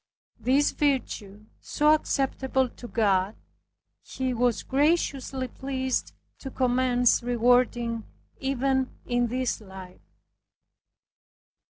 This virtue, so acceptable to God, He was graciously pleased to commence rewarding even in this life.